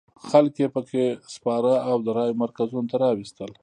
خلک یې په کې سپاره او د رایو مرکزونو ته راوستل.